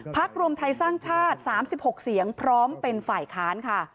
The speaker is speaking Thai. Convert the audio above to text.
รวมไทยสร้างชาติ๓๖เสียงพร้อมเป็นฝ่ายค้านค่ะ